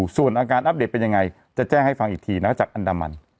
ส่วนอาการอัปเดตเป็นยังไงจะแจ้งให้ฟังอีกทีนะจากอันดามัน